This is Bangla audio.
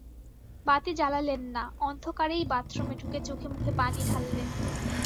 বাতি জ্বালালেন না, অন্ধকারেই বাথরুমে ঢুকে চোখে-মুখে পানি ঢাললেন।